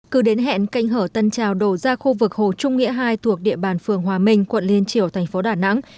cứ đến hẹn canh hở tân trào đổ ra khu vực hồ trung nghĩa hai thuộc địa bàn phường hòa minh quận liên triều thành phố đà nẵng